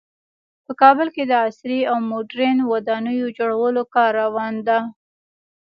په کابل کې د عصري او مدرن ودانیو جوړولو کار روان ده